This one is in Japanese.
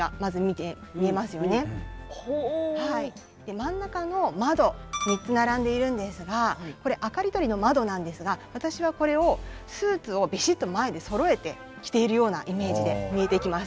真ん中の窓３つ並んでいるんですがこれ明かりとりの窓なんですが私はこれをスーツをビシッと前でそろえて着ているようなイメージで見えてきます。